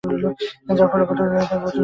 যার ফলে আয় হচ্ছে প্রচুর বৈদেশিক মুদ্রা।